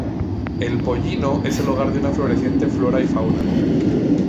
El Pollino es el hogar de una floreciente flora y fauna.